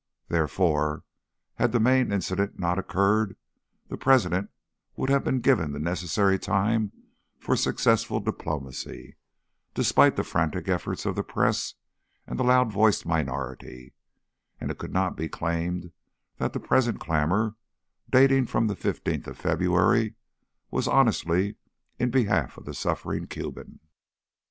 Therefore, had the Maine incident not occurred, the President would have been given the necessary time for successful diplomacy, despite the frantic efforts of the press and the loud voiced minority; and it could not be claimed that the present clamour, dating from the fifteenth of February, was honestly in behalf of the suffering Cuban.